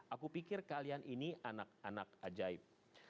aku pikir kalian ini anak anak ajaib